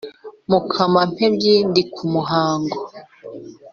mukama-mpembyi ndi ku muhango.